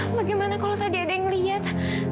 bagaimana kalau tadi ada yang melihat